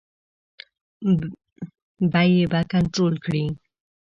بیې به کنټرول کړي.